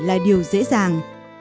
là điều dễ dàng